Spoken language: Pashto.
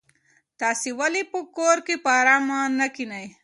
تاسو ولې په کور کې په ارامه نه کېنئ؟